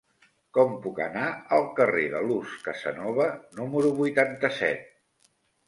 Com puc anar al carrer de Luz Casanova número vuitanta-set?